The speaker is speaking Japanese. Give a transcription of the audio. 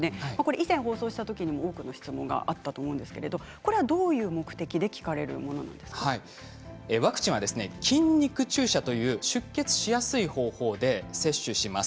以前放送したときにも多くの質問があったと思うんですけどどういう目的でワクチンは筋肉注射という出血しやすい方法で接種します。